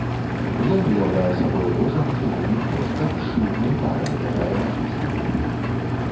Ён уяўляе сабой ложа на фігурных ножках з шлюбнай парай, якая ляжыць на ім.